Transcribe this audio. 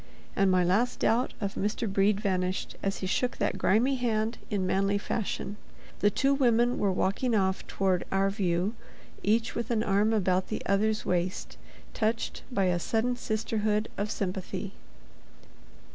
And my last doubt of Mr. Brede vanished as he shook that grimy hand in manly fashion. The two women were walking off toward "our view," each with an arm about the other's waist—touched by a sudden sisterhood of sympathy.